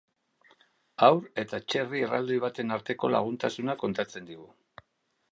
Haur eta txerri erraldoi baten arteko laguntasuna kontatzen digu.